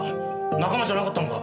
仲間じゃなかったのか？